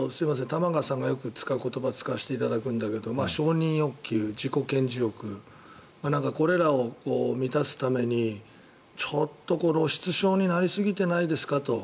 玉川さんがよく使う言葉を使わせていただくんだけど承認欲求、自己顕示欲なんかこれらを満たすためにちょっと露出症になりすぎてないですかと。